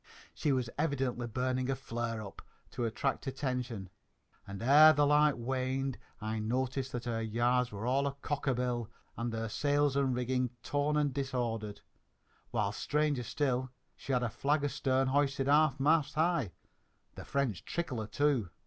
She was evidently burning a "flare up" to attract attention, and, ere the light waned, I noticed that her yards were all a cock bill and her sails and rigging torn and disordered; while, stranger still, she had her flag astern hoisted half mast high the French tricolour, too!